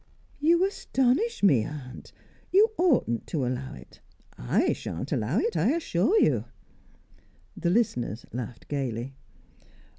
"You astonish me, aunt! You oughtn't to allow it I shan't allow it, I assure you." The listeners laughed gaily.